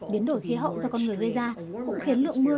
điến đổi khí hậu do con người gây ra cũng khiến lượng mưa gây ra